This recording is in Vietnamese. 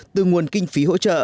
từ nguồn kinh phí hỗ trợ